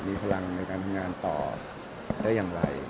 มีพลังในการทำงานต่อได้อย่างไร